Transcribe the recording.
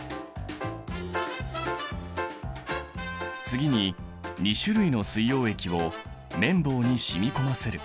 次に２種類の水溶液を綿棒に染み込ませる。